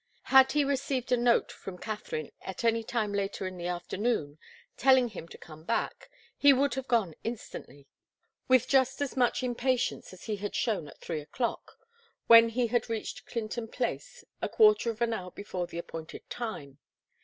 Had he received a note from Katharine at any time later in the afternoon, telling him to come back, he would have gone instantly, with just as much impatience as he had shown at three o'clock, when he had reached Clinton Place a quarter of an hour before the appointed time.